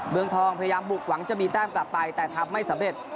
เมืองทองพยายามบุกหวังจะมีแต้มกลับไปแต่ทำไม่สำเร็จ